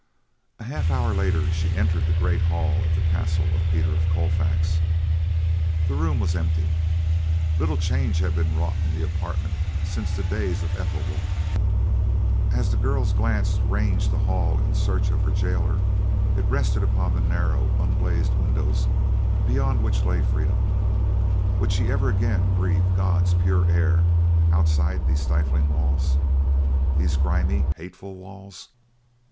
A half hour later, she entered the great hall of the castle of Peter of Colfax. The room was empty. Little change had been wrought in the apartment since the days of Ethelwolf. As the girl's glance ranged the hall in search of her jailer it rested upon the narrow, unglazed windows beyond which lay freedom. Would she ever again breathe God's pure air outside these stifling walls? These grimy hateful walls!